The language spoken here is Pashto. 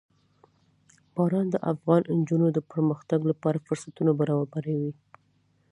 باران د افغان نجونو د پرمختګ لپاره فرصتونه برابروي.